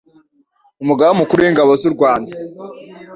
Umugaba mukuru w'ingabo zurwanda